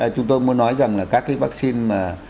chúng tôi muốn nói rằng là các cái vaccine mà